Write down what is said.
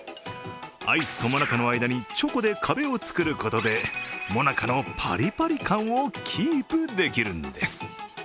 アイスとモナカの間にチョコで壁を作ることでモナカのパリパリ感をキープできるんです。